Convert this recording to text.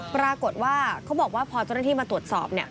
ปรากฏว่าเขาบอกว่าพอเจ้าหน้าที่มาตรวจสอบเนี่ย